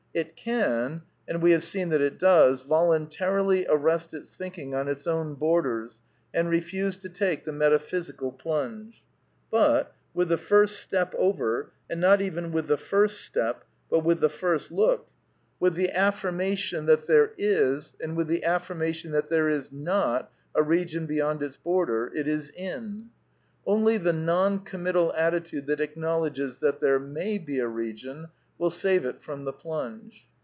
It can, and we have seen that it does, volun A^j^rily arrest its thinking on its own borders and refuse to * 'take the metaphysical plunge; but, with the first step over, and not even with the first step but with the first look, with 4 t. ". 112 A DEFENCE OF IDEALISM the affirmation that there is, and with the affirmation that there is not a region beyond its border, it is in. Only the non committal attitude that acknowledges that there may be a region will save it from the plunge.